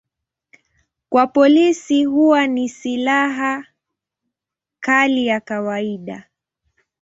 Kwa polisi huwa ni silaha kali ya kawaida.